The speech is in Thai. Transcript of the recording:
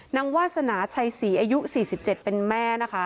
วาสนาชัยศรีอายุ๔๗เป็นแม่นะคะ